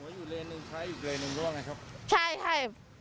อยู่เรนหนึ่งใช้อยู่เรนหนึ่งร่วงนะครับ